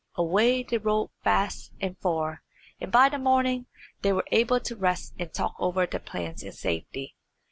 Away they rode fast and far, and by the morning were able to rest and talk over their plans in safety.